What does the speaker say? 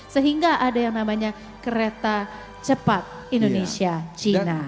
sehingga ada yang namanya kereta cepat indonesia cina